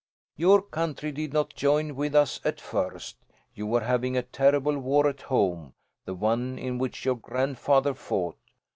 "Your country did not join with us at first. You were having a terrible war at home; the one in which your grandfather fought.